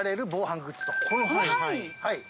はい。